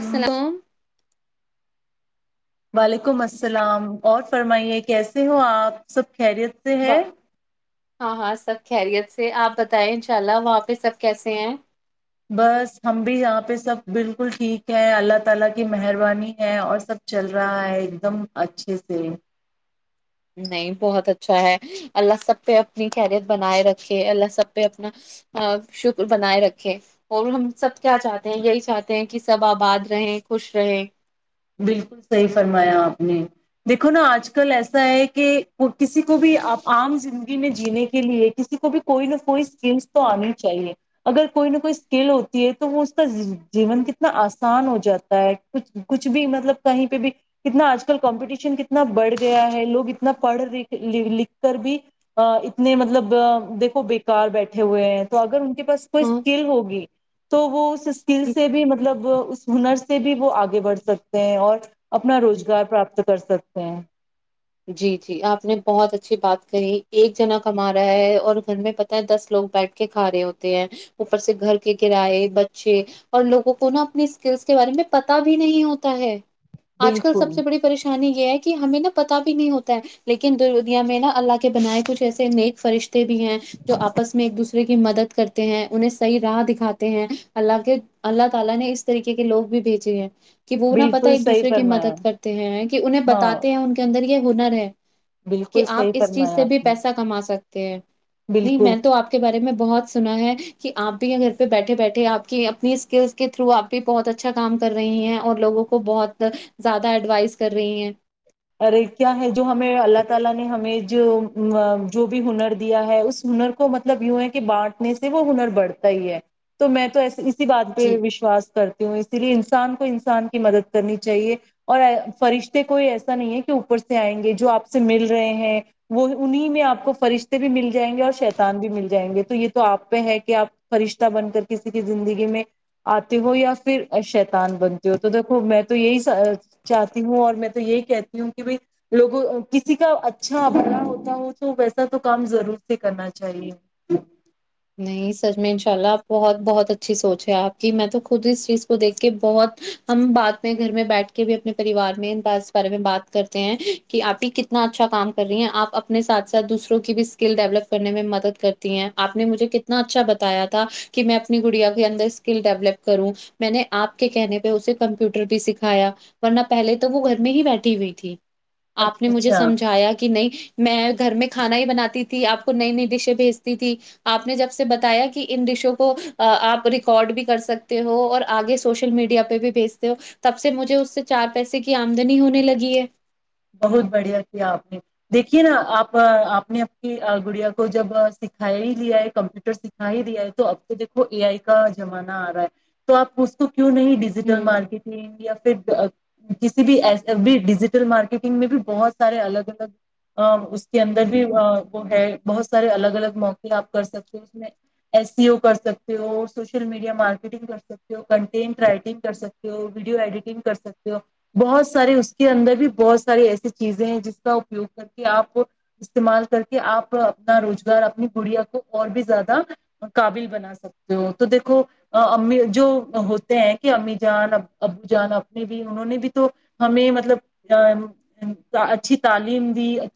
السلام وعلیکم السلام اور فرمائیے کیسے ہو آپ سب خیریت سے ہے ب- ہاں ہاں سب خیریت سے آپ بتائیں انشاء اللہ وہاں پہ سب کیسے ہیں بس ہم بھی یہاں پہ سب بالکل ٹھیک ہے اللہ تعالی کی مہربانی ہے اور سب چل رہا ہے ایک دم اچھے سے نہیں بہت اچھا ہے اللہ سب پہ اپنی کیریئر بنائے رکھے اللہ سب پہ اپنا شکر بنائے رکھے اور ہم سب کیا چاہتے ہیں یہی چاہتے ہیں کہ سب آباد رہے خوش رہیں بالکل صحیح فرمایا آپ نے دیکھو نا آج کل ایسا ہے کہ وہ کسی کو بھی عام زندگی جینے کے لیے کسی کو بھی کوئی نہ کوئی سکل تو آنی چاہیے اگر کوئی نہ کوئی سکل ہوتی ہے تو وہ اس کا جیون کتنا آسان ہو جاتا ہے کچھ کچھ بھی مطلب کہیں پہ بھی اتنا آج کل کمپٹیشن کتنا بڑھ گیا ہے لوگ اتنا پڑھ لکھ کر بھی اتنے مطلب دیکھو بیکار بیٹھے ہوئے ہیں تو اگر ان کے پاس کوئی ہاں اسکل ہوگی تو وہ سکل سے بھی مطلب اس ہنر سے بھی وہ آگے بڑھتے سکتے ہیں اور اپنا روزگار پراپت کر سکتے ہیں جی جی آپ نے بہت اچھی بات کہی ایک جنا کما رہا ہے اور گھر میں پتا ہے دس لوگ بیٹھ کے کھا رہے ہوتے ہیں اوپر سے گھر کے کرائے بچے اور لوگوں کو نا اپنی سکلس کے بارے میں پتا بھی نہیں ہوتا ہے آج کل بالکل سب سے بڑی پریشانی یہ ہے کہ ہمیں نا پتہ بھی نہیں ہوتا ہے لیکن دنیا میں نا اللہ کے بنائے کچھ ایسے نیک فرشتے بھی ہیں جو اپس میں ایک دوسرے کی مدد کرتے ہیں انہیں صحیح راہ دکھاتے ہیں اللہ کے اللہ تعالی نے اس طریقے کے لوگ بھی بھیجے ہیںی کہ وہ نہ پتا بالکل ایک صحیح دوسرے کی فرمایا مدد کرتے ہیں کہ انہیں ہاں بتاتے ہیں ان کے انر یہ ہونا ہے [unintelligible] کہ بالکل آپ صحیح اس چیز فرمایا سے بھی آپ نے پیسہ کما سکتے کہ نہیں بالکل میں تو آپ کے بارے میں بہت سنا ہے کہ آپ بھی یہ گھر پہ بیٹھے بیٹھے آپ کی اپنی سکلس کے تھرو آپ بھی بہت اچھا کام کر رہی ہیں اور لوگوں کو بہت زیادہ ایڈوائز کر رہی ہیں ارے کیا ہے جو ہمیں اللہ تعالی نے ہمیں جو بھی ہنر دیا ہے اس ہنر کو مطلب یوں ہے کہ بانٹنے سے وہ ہنر بڑھتا ہی ہے تو میں تو ایسی بات پہ جی وشواس کرتی ہوں اسی لیے انسان کو ان کی مدد کرنی چاہیے اور فرشتے کوئی ایسے [unintelligible] نہیں کہ اوپر سے آئیں گے جو آپ سے مل رہے ہیں وہ انہیں میں آپ کو فرشتے بھی مل جائیں گے اور شیتان بھی مل جائیں گے تو یہ تو آپ پہ ہے کہ آپ فرشتہ بن کر کسی کی زندگی میں آتے ہو یا پھر شیتان بنتے ہو تو دیکھو میں تو یہی چاہتی ہوں اور میں تو یہی کہتی ہوں کہ بھائی لوگوں کسی کا اچھا بناا ہوتا ہو تو ویسا تو کام ضرور سے کرنا چاہیے نہیں سچ میں انشاء اللہ بہت بہت اچھی سوچ ہے آپ کی میں تو خود اس چیز کو دیکھ کے بہت ہم بات میں گھر میں بیٹھ کے بھی اپنے پریوار میں ان بات بارے میں بات کرتے ہیں کہ آپ ہی کتنا اچھا کام کر رہی ہیں آپ اپنے ساتھ ساتھ دوسروں کی بھی اسکل ڈیولپ کرنے میں مدد کرتی ہیں آپ آپ نے مجھے کتنا اچھا بتایا تھا کہ میں اپنی گڑیا کے اندر اسکل ڈیولپ کروں میں نے آپ کے کہنے پہ اسے کمپیوٹر بھی سکھایا ورنہ پہلے تو وہ گھر میں ہی بیٹھی ہوئی تھی آپ نے اچھا مجھے اچھا سمجھایا کہ نہیں میں گھر میں کھانا ہی بناتی تھی آپ کو نئی نئی ڈشیں بھیجتی تھی آپ نے جب سے بتایا کہ ان ڈشو کو آپ ریکارڈ بھی کر سکتے ہو اور آگے سوشل میڈیا پہ بھی بھیجتے ہو تب سے مجھے اس سے چار پیسے کی آمدنی ہونے لگی ہے بہت بڑھیا کیا آپ نے دیکھیے نا آپ آپ نے اپ کی گڑیا کو جب سکھایا ہی لیا ہے کمپیوٹر سکھا ہی دیا ہے تو اب تو دیکھو اے آئی کا زمانہ آ رہا ہے تو آپ اس کو کیوں نہیں ڈیجیٹل ہ مارکیٹنگ انڈیا کسی بھی ایسے بھی ڈیجیٹل مارکیٹ گ میں بھی بہت سارے الگ الگ اس کے اندر بھی وہ ہے بہت سارے الگ الگ موقع آپ کر سکتے ہو اس میں ایس سی او کر سکتے ہو سوشل میڈیا مارکیٹنگ کر سکتے ہو کنٹینٹ رائٹنگ کر سکتے ہو ویڈیو ایڈیٹنگ کر سکتے ہو بہت سارے اس کے اندر بھی بت ساری ایسی چیزیں ہیں جس کا اپیوگ کر کے آپ استعمال کر کے آپ اپنا روزگار اپنی گڑیا کو اور بھی زیادہ قابل بنا سکتے ہو تو دیکھو امی جو ہوتے ہیں کہ امی جان ابو جان اپنے بھی انہوں نے بھی تو ہمیں مطلب اچھی تعلیم دی ا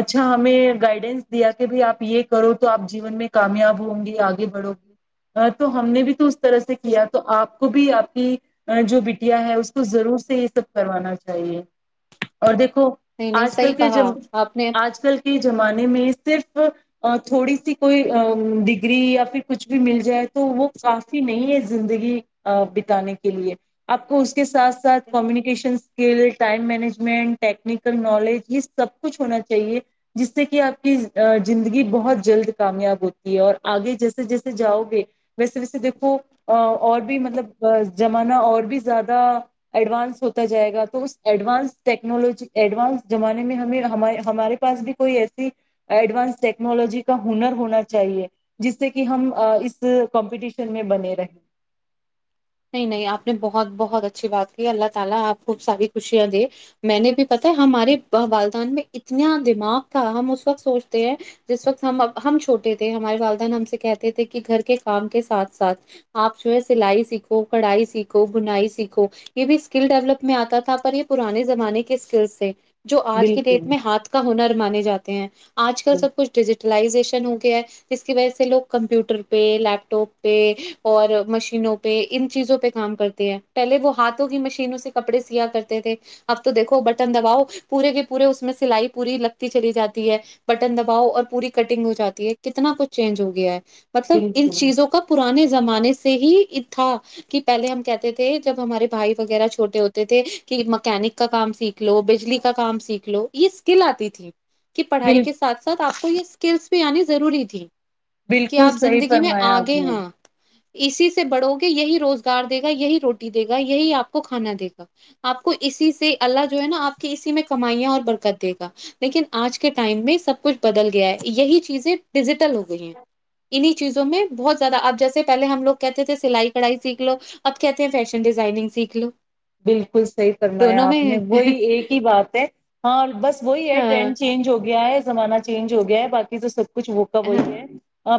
اچھا ہمیں گائیڈینس دیا کہ بھائی آپ یہ کرو تو آپ جین میں کامیاب ہوں گی آگے بڑھو گی تو ہم نے بھی تو طرح سے کیا تو آپ کو بھی آپ کہ جو بٹیا ہے اس کو ضرور سے یہ سب کروانا چاہیے اور دیک نہیں نہیں آج صحیح کل کے ج کہا آپ نے آج کل کی زمانے میں صرف تھوڑی سی کوئی ڈگری یا پھر کچھ بھی مل جائے تو وہ کافی نہیں ہے زندگی بتانے کے لیے آپ کو اس کے ساتھ ساتھ communication skill time management technical knowledge یہ سب کچھ ہونا چاہیے جس سے کہ آپ کی زندگی بہت جلد کامیاب ہوتی ہے اور آگے جیسے جیسے جاؤ گے بس بس دیکو اور بھی مطلب زمانہ اور بھی زیادہ ایڈوانس ہوتا جائے گا تو اس ایڈوانس ٹ ٹیکنالوجی ایڈوانس زمانے میں ہمیں ہمارے پاس بھی کوئی ایسی ایڈوانس ٹیکنالوجی کا ہنر ہونا چاہیے جس سے کہ ہم اس کمپٹیشن میں بنے رہیں نہیں نہیں اپ نے بہت بہت اچھی بات کی اللہ تعالی اپ کو ساری خوشیاں دے میں نے بھی پتہ ہے ہمارے والدین پہ کتنا دماغ کا ہم اس وقت سوچتے ہیں جس وقت ہم ہم چھوٹے تھے ہمارے والدہ نے ہم سے کہتے تھے کہ گھر کے کام کے ساتھ ساتھ اپ جو ہے اسے لائک کڑھائی سیکھو بنائی سیکھو یہ بھی اسکل ڈیولپ میں آتا تھا پر یہ پرانے زمانے کے اسکلس سے جو آج کی ڈیٹ بالکل میں ہاتھ کا ہنر مانے جاتے ہیں آج کل سب کچھ ڈیجیٹلائزیشن ہو گیا ہے جس کی وجہ سے لوگ کمپیوٹر پہ لیپ ٹاپ پہ اور مشینوں پہ ان چیزوں پہ کام کرتے ہیں پہلے وہ ہاتھوں کی مشینوں سے کپڑے سیا کرتے تھے اب تو دیکھو بٹن دباؤ پورے کے پورے اس میں سلائی پوری لگتی چلی جاتی ہے بٹن دباؤ اور پوری کٹنگ ہو جاتی ہے کتنا کچھ چینج ہو گیا ہے مطلب ان بالکل چیزوں کا پرانے زمانے سے ہی انے تھا کہ پہلے ہم کیا تھے جب ہمارے بھائی وغیرہ چھوٹے ہوتے تھے کہ مکینک کا کام سیک سیکھ لو بجلی کا کام سیکھ لو یہ اسکل آتی تھی کی پڑھائی کے ساتھ ساتھ آپ کو یہ اسکلس بھی آنی ضروری تھی کہ بالکل آپ صحیح زندگی میں فرمایا آپ آگے نے ہاں اسی سے بڑو گے [unintelligible] یہی روزگار دے گا یہی روٹی دے گا یہی آپ کو کھانا دے گا آپ کو اسی سے اللہ جو ہے نا آپ کی اسی میں کمائیاں اور برکت دے گا لیکن آج کے ٹائم میں سب کچھ بدل گیا ہے یہی چیزیں ڈیجیٹل ہو گئی ہیں انیں چیزوں میں بہت زیادہ آپ جیسے پہلے ہم لوگ کہتے تھے سلائی کڑھائی سیکھ لو اب کہتے ہیں فیشن ڈیزائنگ سیکھ لو بالکل صحیح فرمایا دونوں میں آپ نے وہی ایک ہی بات ہے ہاں بس وہی ہے ہاں ٹرینڈ چینج ہو گیا ہے زمانہ چینج ہو گیا ہے بقی جو س کچھ وہ کب ہاں وہی ہے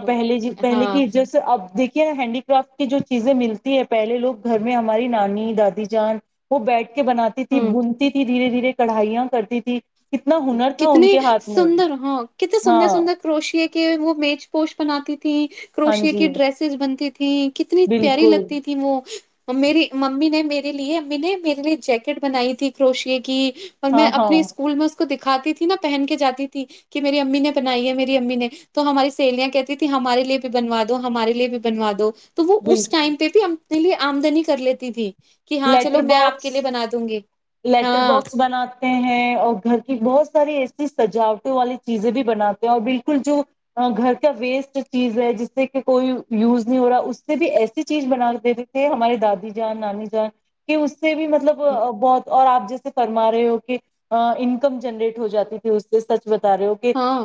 پہل پہلے ہاں کی جیس اب دیک ہینڈی کررافٹ کی جو چیزیں ملتی ہے پہل لوگ گھر میں ہماری نانی دادی جان وہ بیٹھ بناتی تھی ہ بھنتی تھی دھیرے دھیرے کڑھائیاں کرتی تھی کتنا ہنر تھا ان کتنی کے ہاتھ میں سندر ہاں کتنے سندر ہاں سندر کروشے کے وہ میز پوش بناتی تیں ہاں کروشیا جی کی ڈریسز بنتی تھیں کتنی پیاری بالکل لگتی تھیں وہ میری ممی نے میرے لیے امی نے میرے لیے جیکٹ بنائی تھی کروشے کی اور میں ہاں ہاں اپنے اسکول میں کو دکھاتی تھی نہا پہن کے جاتی تھی کہ میری امی نے بنائی ہے میری امی نے تو ہماری سہیلیاں کہتی تھی ہمارے لیے بھی بنوا دو ہمارے لیے بھی بنوا دو تو وہ اس بالکل ٹائم پہ بھی ہم اپنے لیے آمدنی کر لیتی تھی کہ ہاں چلو لیٹر میں آپ کے باکس لیے بنا دوں گی لیٹر ہاں باکس بناتے ہیں اور گھر کہ بہت ساری ایسی سجاوٹوں والی چیزیں بھی بناتے ہیں اور بالکل جو گھر کا ویسٹ چیز ہے جس سے کہ کوئی یوز نہیں ہو رہا اس سے بھی ایسی چیز بنا دیتے تھے ہمارے دادی جان نانی جان کہ اس سے بھی مطلب بہت آپ جیسے فرما رہے ہو کہ انکم جنریٹ ہو جاتی تھی اس سے سچ بتا رہے ہو کہ ہاں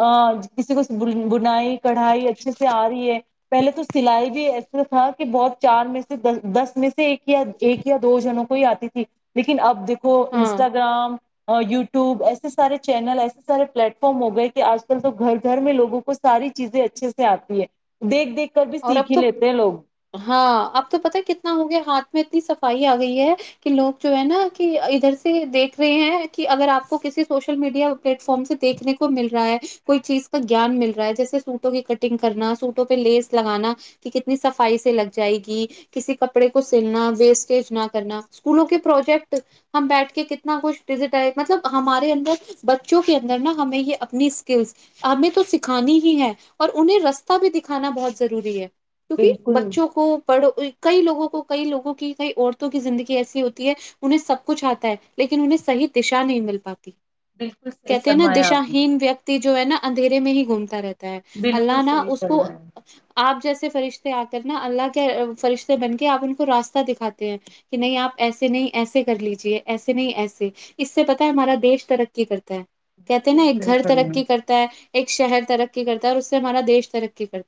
کسی کو بنائی کڑھائی اچھے سے آ رہی ہے پہلے تو سلائی بھی ایسا تھا کہ بہت چار میں سے دس میں سے ایکیا ایک یا دو جنوں کو ہی آتی تھی لیکن اب دیک کو ہاں انسٹاگرام [unintelligible] یو وب ایسے سارے چینل ایسے سارے پلیٹ فارم ہو گئے کہ آج کل تو گھر گھر میںوگوں کو ساری چیزیں اچھے سے آتی ہے دیکھ دیکھ کر بھی اور سیکھ اب ہی تو لیتے ہیں لوگ ہاں اب تو پت کتنا ہوگیا ہاتھ میں اتنی صفائی آ گئی ہے کہ لوگ جو ہے نا کہ ادھر سے دیکھ رہے ہیں کہ اگر آپ کو کسی سوشل میڈیا پلیٹ فارم سے دیکنے کو مل رہا ہے کوئی چیز کا گیان مل رہا ہے جیسے سوٹوں کی کٹنگ کرنا سوٹوں پہ لیس لگانا کہ کتنی صفائی سے لگ جائے گی کسی کپڑے کو سلنا ویسٹیج نہ کرنا اسکولوں کے پروجیکٹ ہم بیٹھ کے کتنا کچھ ڈٹ مطلب ہمارے اندر بچوں کے اندر نا ہمیں یہ اپنی اسکلس ہمیں تو سکھانی ہی ہے اور انہیں رستہ بھی دکھانا بہت ضروری ہے کیونکہ بالکل بچوں کو پڑھ کئی لوگوں کو کئی لوگوں کی کئی عورتوں کی زندگی ایسی ہوتی ہے انہیں سب کچھ آتا ہے لیکن انہیں صح دشا نہیں مل پاتی بالکل صحیح کہتے ہیں نا فرمایا آپ نے دشااہین ویکتی جو ہے نا اندھیے میں ہی گھومتا رہتا بالکل اللہ نہا صحیح اس کو فرمایا آپ جیسے فرشتے آ کر نا اللہ کے فرشتے بن کے آپ ان کو راستہ دکھاتے ہیں کہ نہیں آپ ایسے نہیں ایسے کر لیجیے ایسے نہیں ایسے اس سے پتہ ہے ہمارا دیش ترقی کرتا ہے کہتے ہیں نا بالکل ایک صحیح گھر فرمایا ترقی کرتا ہے ایک شہر ترقی کرتا ہے اور اس سے ہمارا دیش ترقی کرتا ہے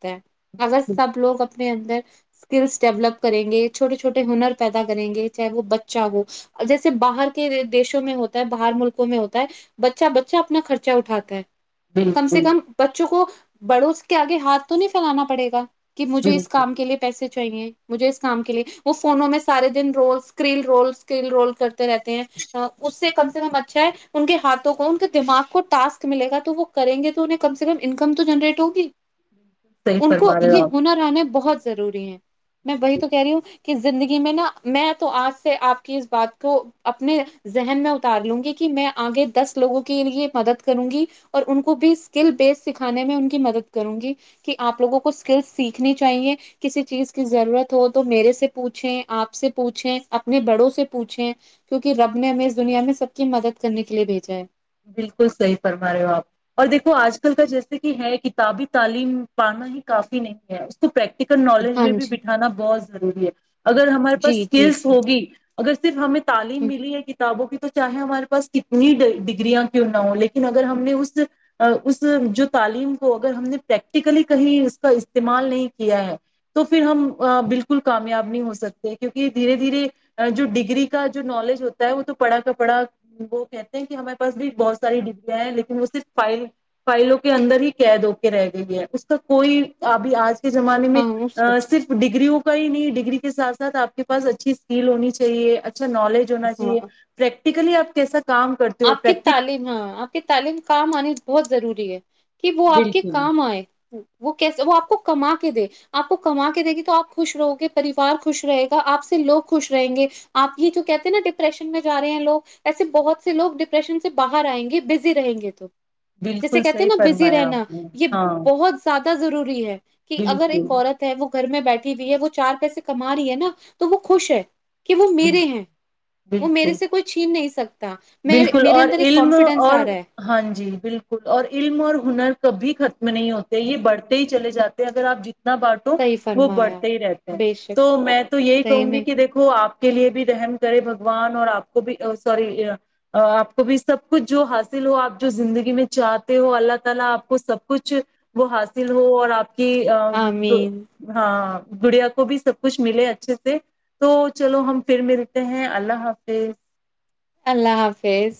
اگر سب لوگ اپنے اندر اسکلس ڈیولپ کریں گے چھوٹے چھوٹے ہنر پیدا کریں گے چاہے وہ بچہ ہو جیسے باہر کے دیشوں میں ہوتا ہے باہر ملکوں میں ہوتا ہے بچہ بچہ اپنا خرچہ اٹھاتا ہے کم سے بالکل کم بچوں کو بڑوس کے آگے ہاتھ تو نہیں پھیلانا پڑے گا کہ مجھے اس بالکل کام کے لیے پیسے چاہیے مجھے اس کام کے لیے وہ فونوں میں سارے دن رولکل رول اسکل رول کرتے رہتے ہیں اس سے کم سے کم اچھا ہے ان کے ہاتھوں کو ان کے دماغ کو ٹسک ملے گا تو وہ کریں گے تو انہیں کم سے کم انکم تو جنریٹ ہوگی صحیح ان کو فرما رہے ہو یہ آپ ہنر آنے بہت ضروری ہے میں وہی تو کہہ رہی ہوں کہ زندگی میں نا میں تو آج سے آپ کی اس بات کو اپنے ذہن میں اتار لوں گی کہ میں آگے دس لوگوں کے لیے مدد کروں گی اور ان کو بھی اسکل بیسڈ سکھانے میں ان کی مدد کروں گی کہ آپ لوگوں کو اسکل سیکھنی چاہیے کسی چیز کی ضرورت ہو تو میرے سے پوچھیں آپ سے پوچھیں اپنے بڑوں سے پوچھیں کیوںکہ رب نے ہمیں اس دنیا میں سب کی مدد کرنے کے لیے بھیجا ہے بالکل صحیح فرما رہے ہو آپ اور دیکھو آج کل کا جیسے کہ ہے کتابی تعلیم پڑھنا ہی کافی نہیں ہے اس کو پریک یکل نالج ہاں میں بھی بٹھانا بہت ضروری ہے اگر ہمارے پاس جی جی جی اسکلس جی ہوگی اگر صرف ہمیں تعلیم ملی ہے کتابوں کی تو چاہے ہمارے پاس کتنی ڈ یاں کی نہ ہ لیکن اگر ہم نے اس تعلیم کو اگر ہم نے پریکٹیکلی کہیں اس کا استعمال نہیں کیا ہے تو پھر ہم بالکل کامیاب نہیں ہو سکتے کیونکہ دھیرے دھیرے جو ڈگری کا جو نالج ہوتا ہے وہ تو پڑا کر پڑھا وہ کہتے ہیں کہ ہمیں س بھی بہت ساری ڈگیاں ہیں لیکن وہ صرف فائل فائلوں کے اندر ہی قید ہو کے رہ گئی ہے اس کا کوئی ابھی آج زمانے میں ہاں اس صرف ڈگریوں کے کوئی نہیں ڈگری کے سات ساتھ آ کے پاس اچھی اسکل ہونی چاہیے نالج ہونا چاہیے ہاں پریکٹیکلی آپ کیسا کام کرتے ہو آپ کی پریکٹک تعلیم ہاں آپ کی تعلیم کام آنی بہت ضروری [inaudible] کہ وہ آپ کے بالکل کام آئے وہ کیسے وہ آپ کو کما کے دے آپ کو کما کے دے گی تو آپ خوش رہو گے پریوار خوش رہے گا آپ سے لوگ خوش رہیں گے آپ ہی جو کہتے ہیں نا ڈپریشن میں جا رہے ہیں لوگ ایسے بہت سے لوگ ڈپریشن سے باہر آئیں گے بزی رہیں گے تو جسے بالکل کہتے ہیں صحیح نا بزی فرمایا رہنا آپ نے یہ ہاں بہت زیادہ انا ضروری ہے کہ اگر بالکل ایک عورت ہے وہ گھر میں بیٹھے بیٹ ہوئی ہے وہ چار پیسے کما رہی ہے نا تو وہ خوش ہے کہ وہ میرے بالکل ہیں وہ میرے بالکل. سے کوئی چھین نہیں سکتا میں بالکل میرے اور اندر ایک علم کانفیڈینس اور آ رہا ہے ہاں جی بالکل اور علم اور ہنر کبھی ختم نہیں ہوتے یہ بڑھتے ہی چلےاتے ہیں اگر آپ جتنے بانٹو صحیح وہ فرمایا بڑھتے ہی رہتے ہیں بے شک تو میں تو یہی صحیح کہوں گی میں کہ دیکھو آپ کے لیے بھی رحم کرے بگوان اور آپ کو بھی سوری آپ کو بھی سب کچھ جو حاصل ہو آپ جو زندگی میں چاہتے ہو اللہ تعالا آپ کو سب کچھ وہ حاصل ہو اور آپ کہ دو آمین ہاں گڑیا کو بھی سب کچھ ملے اچھے سے تو چلو ہم پھر ملتے ہیں اللہ حافظ اللہ حافظ